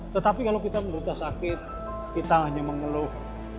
tetapi kalau kita menderita sakit kita hanya mengeluh